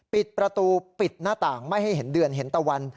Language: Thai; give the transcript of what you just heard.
ปิดประตูปิดหน้าต่างไม่ให้เห็นเดือนเห็นตะวัน